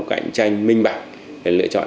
cạnh tranh minh bạch để lựa chọn